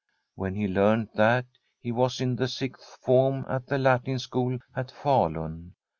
When he learnt that, he was in the Sixth Form at the Latin school at Falun.